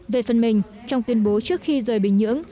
về phần mình trong tuyên bố trước khi rời bình nhưỡng